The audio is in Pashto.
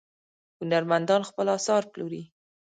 هنرمندان خپل اثار پلوري.